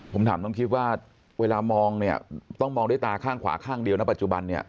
ผมถามน้องกิ๊บว่าเวลามองเนี่ยต้องมองด้วยตาข้างขวาข้างเดียวนะปัจจุบันเนี่ย